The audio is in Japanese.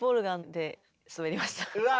うわ